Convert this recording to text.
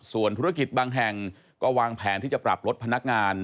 ส่วนธุรกิจบางแห่งก็วางแผนที่จะปรับลดพนักงาน